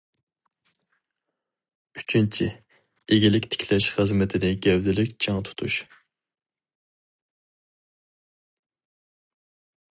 ئۈچىنچى، ئىگىلىك تىكلەش خىزمىتىنى گەۋدىلىك چىڭ تۇتۇش.